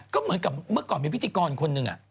ก็เหมือนกับเมื่อก่อนมีพิธีกรคนหนึ่ง